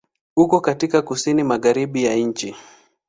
Uko katika Kusini Magharibi ya nchi.